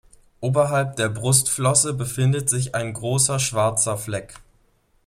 Oberhalb der Brustflosse befindet sich ein großer schwarzer Fleck.